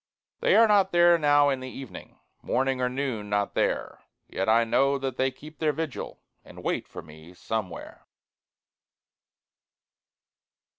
They are not there now in the evening Morning or noon not there; Yet I know that they keep their vigil, And wait for me Somewhere.